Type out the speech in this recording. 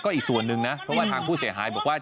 อีกส่วนหนึ่งนะเพราะว่าทางผู้เสียหายบอกว่า